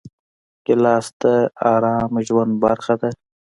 ګیلاس د ارام ژوند برخه ده.